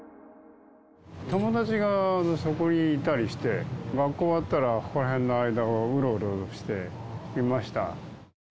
友達がそこにいたりして、学校終わったらここら辺の間をうろうろしていました。